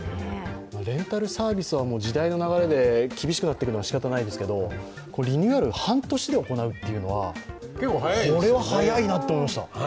レンタルサービスは時代の流れで厳しくなっていくのはしかたないですけど、リニューアルを半年で行うというのは早いなと思いました。